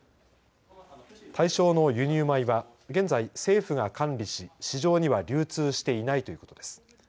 対象の輸入米は現在政府が管理し、市場には流通していないということです。